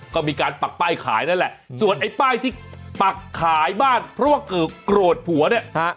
ก็มีการปักป้ายขายนั่นแหละส่วนไอ้ป้ายที่ปักขายบ้านเพราะว่าเกิดโกรธผัวเนี่ยฮะ